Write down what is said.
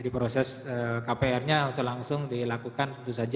proses kpr nya langsung dilakukan